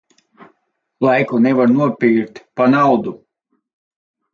Laiku nevar nopirkt pa naudu.